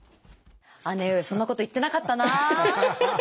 姉上そんなこと言ってなかったな。